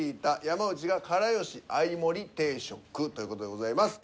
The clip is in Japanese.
山内が「から好し合盛り定食」という事でございます。